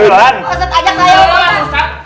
ustadz ajak saya ulan